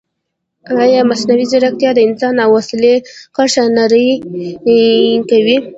ایا مصنوعي ځیرکتیا د انسان او وسیلې کرښه نه نری کوي؟